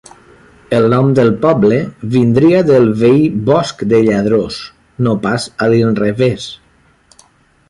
El nom del poble vindria del veí Bosc de Lladrós, no pas a l'inrevés.